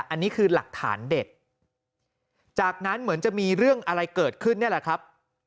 อันนี้คือหลักฐานเด็ดจากนั้นเหมือนจะมีเรื่องอะไรเกิดขึ้นนี่แหละครับ